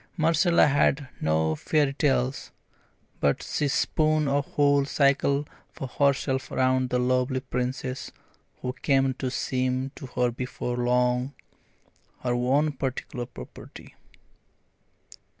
Marcella had no fairy tales, but she spun a whole cycle for herself around the lovely Princess who came to seem to her before long her own particular property.